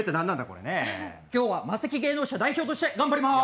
これね今日はマセキ芸能社代表として頑張ります